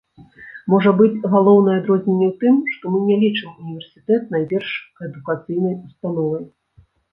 Можа быць, галоўнае адрозненне ў тым, што мы не лічым універсітэт найперш адукацыйнай установай.